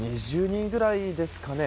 ２０人くらいですかね。